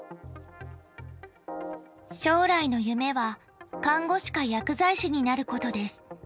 将来の夢は、看護師か薬剤師になることです。